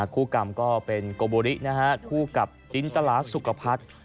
คู่กรรมก็เป็นโกโบริคู่กับจินตลาสุขภัทร